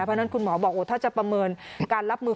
เพราะฉะนั้นคุณหมอบอกถ้าจะประเมินการรับมือ